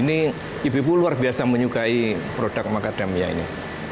ini ibu ibu luar biasa menyukai produk macadamia ini